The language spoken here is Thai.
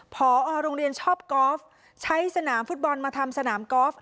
พอโรงเรียนชอบกอล์ฟใช้สนามฟุตบอลมาทำสนามกอล์ฟ